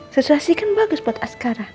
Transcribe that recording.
situasi kan bagus buat askara